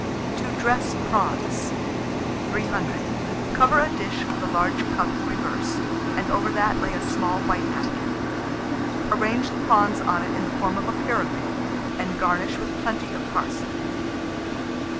TO DRESS PRAWNS. 300. Cover a dish with a large cup reversed, and over that lay a small white napkin. Arrange the prawns on it in the form of a pyramid, and garnish with plenty of parsley.